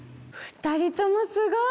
２人ともすごい！